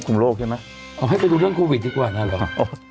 โลกใช่ไหมเอาให้ไปดูเรื่องโควิดดีกว่านั่นเหรอ